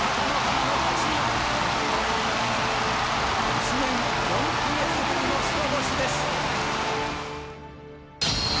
１年４か月ぶりの白星です。